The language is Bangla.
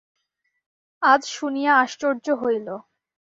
আজ শুনিয়া আশ্চর্য হইল।